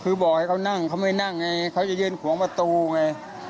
คือบอกให้เขานั่งเขาไม่นั่งไงเขาจะยืนขวงประตูไง